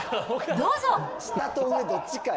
どうぞ。